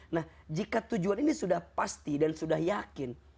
nah jika tujuan ini sudah pasti dan sudah yakin